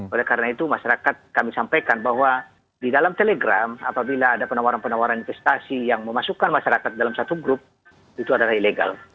oleh karena itu masyarakat kami sampaikan bahwa di dalam telegram apabila ada penawaran penawaran investasi yang memasukkan masyarakat dalam satu grup itu adalah ilegal